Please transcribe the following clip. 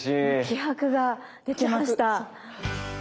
気迫が出てました。